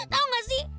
tau nggak sih